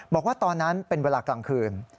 บอกว่าตอนนั้นเป็นเวลากลางคืน